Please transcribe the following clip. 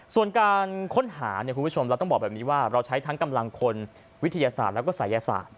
ส่วนการค้นหาเนี่ยคุณผู้ชมเราต้องบอกแบบนี้ว่าเราใช้ทั้งกำลังคนวิทยาศาสตร์แล้วก็ศัยศาสตร์